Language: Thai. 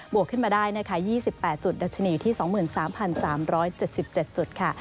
วกขึ้นมาได้นะคะ๒๘จุดดัชนีอยู่ที่๒๓๓๗๗จุดค่ะ